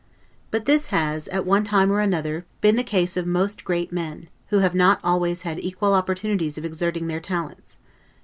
But this has, at one time or another, been the case of most great men; who have not always had equal opportunities of exerting their talents.